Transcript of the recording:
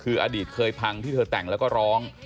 คืออดีตเคยพังที่เธอแต่งแล้วก็ร้อง